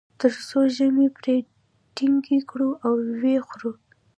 تر څو ژامې پرې ټینګې کړو او و یې خورو.